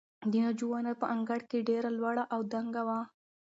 د ناجو ونه په انګړ کې ډېره لوړه او دنګه وه.